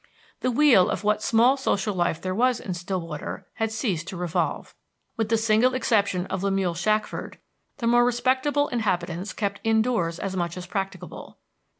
The wheel of what small social life there was in Stillwater had ceased to revolve. With the single exception of Lemuel Shackford, the more respectable inhabitants kept in doors as much as practicable.